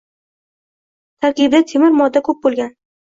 Tarkibida temir modda ko'p bo'lgan.